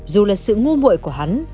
dù là sự ngu mội của hắn